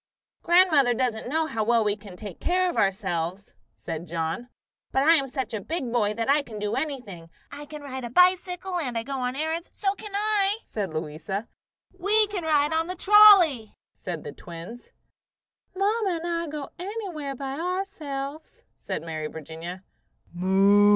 "Grandmother doesn't know how well we can take care of ourselves," said John. "But I am such a big boy that I can do anything. I can ride a bicycle and go on errands " "So can I," said Louisa. "We can ride on the trolley!" cried the twins. "Mamma and I go anywhere by ourselves," said Mary Virginia.